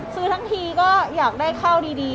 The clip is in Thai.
ซื้อทั้งทีก็อยากได้ข้าวดี